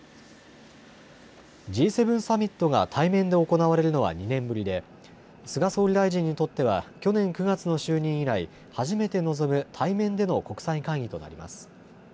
Ｇ７サミットが対面で行われるのは２年ぶりで菅総理大臣にとっては去年９月の就任以来、初めて臨む対面での国際会議となります。